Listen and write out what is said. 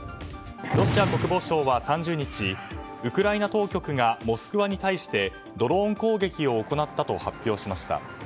ロシア国防省は３０日ウクライナ当局がモスクワに対してドローン攻撃を行ったと発表しました。